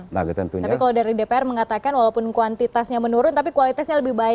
tapi kalau dari dpr mengatakan walaupun kuantitasnya menurun tapi kualitasnya lebih baik